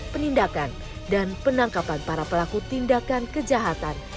penindakan dan penangkapan para pelaku tindakan kejahatan